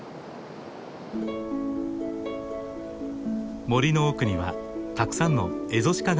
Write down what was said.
森の奥にはたくさんのエゾシカがいました。